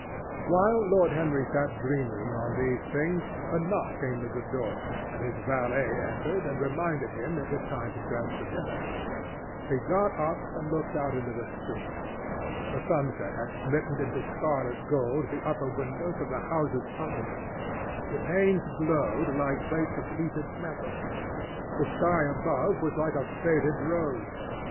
While Lord Henry sat dreaming on these things, a knock came to the door, and his valet entered and reminded him it was time to dress for dinner. He got up and looked out into the street. The sunset had smitten into scarlet gold the upper windows of the houses opposite. The panes glowed like plates of heated metal. The sky above was like a faded rose.